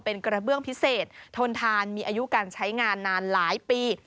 เป็นกระเบื้องพิเศษทนทานมีอายุการใช้งานนานหลายปี